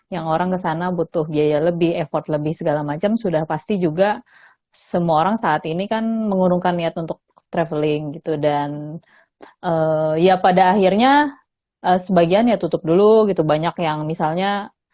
yang orang kesana butuh biaya lebih effort lebih segala macam sudah pasti juga semua orang saat ini kan mengurungkan niat untuk traveling gitu dan ya pada akhirnya sebagian ya tutup dulu gitu banyak yang misalnya